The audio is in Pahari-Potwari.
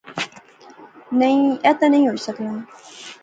نئیں ایہہ نی ہوئی سکنا